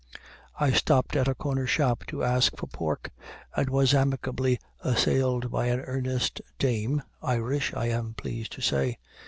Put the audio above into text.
I stopped at a corner shop to ask for pork, and was amicably assailed by an earnest dame, Irish, I am pleased to say.